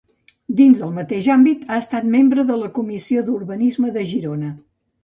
Dins del mateix àmbit, ha estat membre de la Comissió d'Urbanisme de Girona.